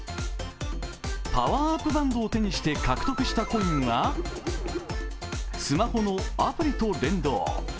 パワーアップバンドを手にして獲得したコインはスマホのアプリと連動。